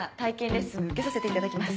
レッスン受けさせていただきます。